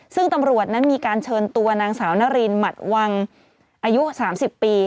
ซึ่งตำรวจนั้นมีการเชิญตัวนางสาวนารินหมัดวังอายุ๓๐ปี